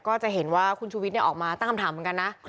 ก็จะเห็นว่าคุณชูวิทย์ออกมาตั้งคำถามเหมือนกันนะ